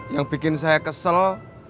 yang bikin saya kesel